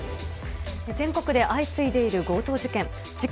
全国で相次いでいる強盗事件。